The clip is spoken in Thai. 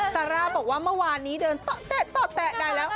ซาร่าบอกว่าเมื่อวานนี้เดินโต๊ะแตะได้แล้ว